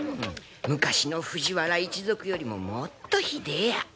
昔の藤原一族よりももっとひでえや！